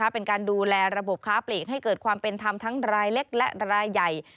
เป็นการดูแลระบบค้าปลีกให้เกิดความเป็นธรรมทั้งรายเล็กและรายใหญ่